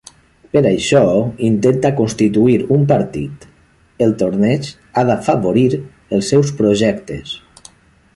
Per això, intenta constituir un partit: el torneig ha d'afavorir els seus projectes.